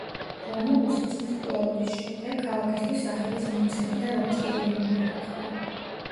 რომულუსი, ძმის მკვლელობის შემდეგ, ქალაქისთვის სახელის მიმცემი და რომის პირველი მეფე გახდა.